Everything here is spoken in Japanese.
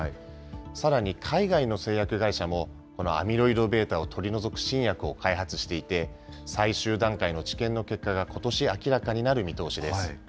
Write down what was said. さらに、海外の製薬会社も、このアミロイドβを取り除く新薬を開発していて、最終段階の治験の結果がことし、明らかになる見通しです。